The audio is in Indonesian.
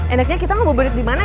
enaknya kita ngabuburit dimana ya